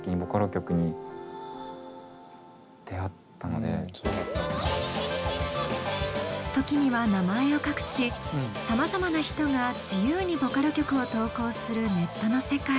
何かでその時に時には名前を隠しさまざまな人が自由にボカロ曲を投稿するネットの世界。